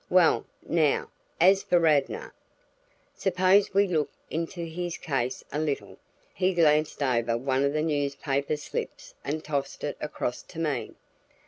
"Well, now, as for Radnor. Suppose we look into his case a little." He glanced over one of the newspaper slips and tossed it across to me.